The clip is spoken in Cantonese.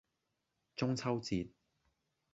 中秋節